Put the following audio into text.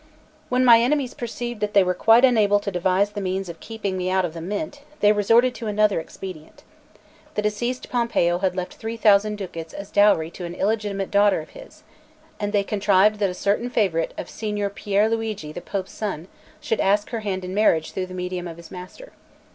When my enemies perceived that they were quite unable to devise the means of keeping me out of the Mint, they resorted to another expedient. The deceased Pompeo had left three thousand ducats as dowry to an illegitimate daughter of his; and they contrived that a certain favourite of Signor Pier Luigi, the Pope's son, should ask her hand in marriage through the medium of his master.